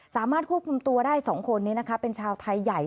สามารถควบคุมตัวได้๒คนนี้นะคะเป็นชาวไทยใหญ่